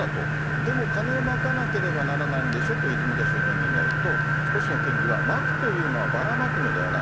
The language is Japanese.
でも金をまかなければならないんでしょと泉田衆議院議員が言うと、星野県議は、まくというのはばらまくのではない。